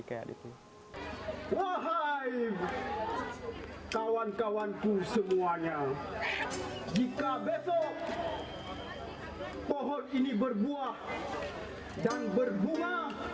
kawan kawan ku semuanya jika besok pohon ini berbuah dan berbunga